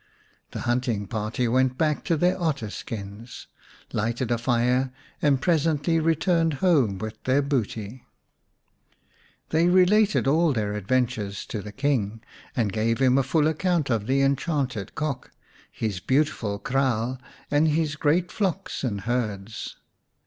The hunting party went back to their otter skins, lighted a fire, and presently returned home with their booty. 135 The Cock's Kraal xi They related all their adventures to the King, and gave him a full account of the enchanted Cock, his beautiful kraal, and his great flocks and herds.